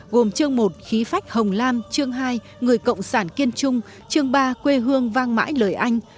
gồm chương một khí phách hồng lam chương hai người cộng sản kiên trung chương ba quê hương vang mãi lời anh